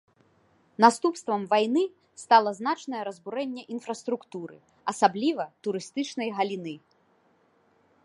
Наступствам вайны стала значнае разбурэнне інфраструктуры, асабліва турыстычнай галіны.